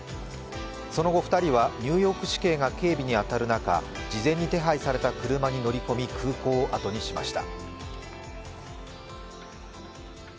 その後、２人はニューヨーク市警が警備に当たる中事前に手配された車に乗り込み、空港を後にしました。